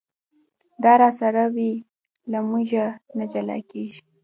دا راسره وي له مونږه نه جلا کېږي.